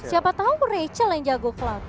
siapa tau rachel yang jago cloud